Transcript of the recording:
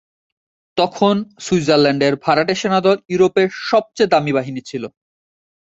তখন সুইজারল্যান্ডের ভাড়াটে সেনাদল ইউরোপের সবচেয়ে দামী বাহিনী ছিল।